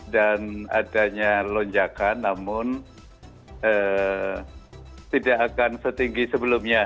dan adanya lonjakan namun tidak akan setinggi sebelumnya